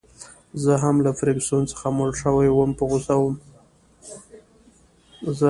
زه هم له فرګوسن څخه موړ شوی وم، په غوسه وم.